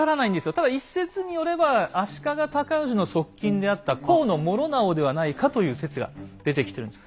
ただ一説によれば足利尊氏の側近であった高師直ではないかという説が出てきてるんです。